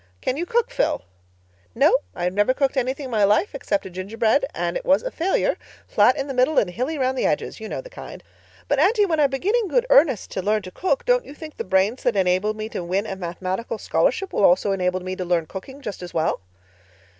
Can you cook, Phil?" "No, I never cooked anything in my life except a gingerbread and it was a failure—flat in the middle and hilly round the edges. You know the kind. But, Aunty, when I begin in good earnest to learn to cook don't you think the brains that enable me to win a mathematical scholarship will also enable me to learn cooking just as well?"